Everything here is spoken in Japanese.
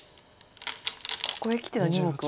ここへきての２目は。